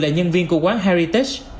là nhân viên của quán heritage